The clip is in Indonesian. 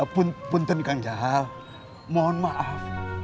pun punten kang jahat mohon maaf